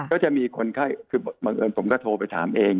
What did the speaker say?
ก็จะมีคนไข้คือบังเอิญผมก็โทรไปถามเอง